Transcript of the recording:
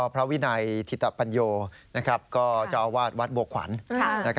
เพราวินัยธิตปัญโยนะครับก็จะอาวาสวัสดิ์โบขวาน